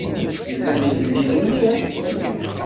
Yella d igellil mliḥ.